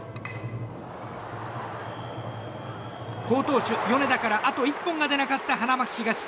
好投手、米田からあと１本が出なかった花巻東。